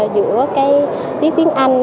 giữa cái tiếng anh với là tiếng anh